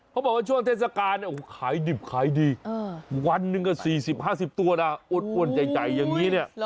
เขาบอกว่าช่วงเทศกาลขายดิบขายดีวันนึงก็๔๐๕๐ตัวอดอ้วนใจอย่างนี้